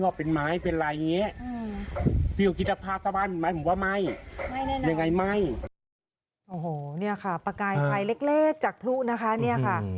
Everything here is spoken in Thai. โอ้โหเนี่ยค่ะประกายไฟเล็กจากพลุนะคะเนี่ยค่ะ